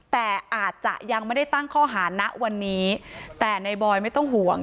แต่อาจจะยังไม่ได้ตั้งข้อหาณวันนี้แต่ในบอยไม่ต้องห่วง